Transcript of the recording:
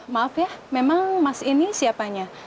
maaf ya memang mas ini siapanya